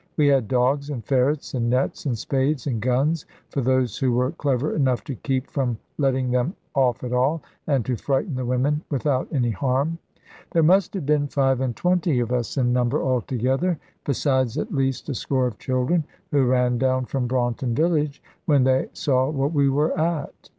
We had dogs, and ferrets, and nets, and spades, and guns for those who were clever enough to keep from letting them off at all, and to frighten the women without any harm. There must have been five and twenty of us in number altogether, besides at least a score of children who ran down from Braunton village, when they saw what we were at.